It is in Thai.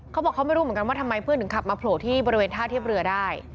เขาบอกเขาไม่รู้เหมือนกันว่าทำไมเพื่อนถึงขับมาโผล่ที่บริเวณท่าเทียบเรือได้